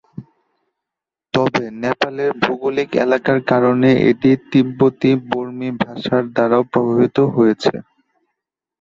তবে, নেপালের ভৌগোলিক এলাকার কারণে, এটি তিব্বতী-বর্মী ভাষার দ্বারাও প্রভাবিত হয়েছে।